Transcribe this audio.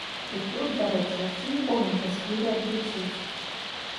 І тут, дарэчы, яшчэ нікога не паспелі адлічыць.